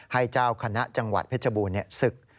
ให้เจ้าคณะจังหวัดเพชรบูรณ์ศึก